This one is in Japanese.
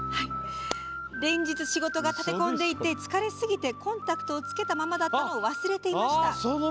連日仕事が立て込んでいて疲れすぎてコンタクトをつけたままだったのを忘れていました。